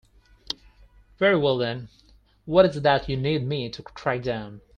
Very well then, what is it that you need me to track down?